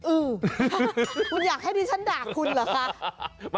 อืมคุณอยากให้ดิฉันด่าคุณเหรอคะ